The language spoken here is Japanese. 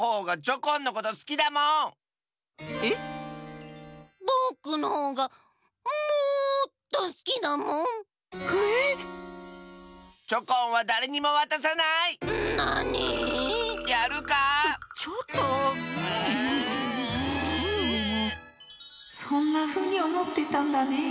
こころのこえそんなふうにおもってたんだね。